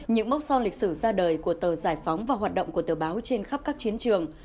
những mốc son lịch sử ra đời của tờ giải phóng và hoạt động của tờ báo trên khắp các chiến trường